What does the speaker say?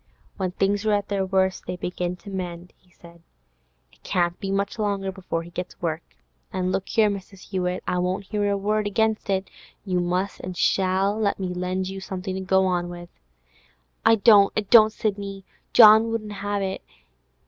'When things are at the worst they begin to mend,' he said. 'It can't be much longer before he gets work. And look here, Mrs. Hewett, I won't hear a word against it; you must and shall let me lend you something to go on with!' 'I dursn't, I dursn't, Sidney! John won't have it.